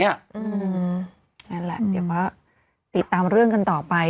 นั่นแหละเดี๋ยวก็ติดตามเรื่องกันต่อไป